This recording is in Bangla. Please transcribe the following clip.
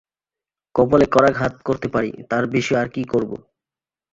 কপালে করাঘাত করতে পারি, তার বেশি আর কী করব।